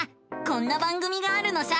こんな番組があるのさ！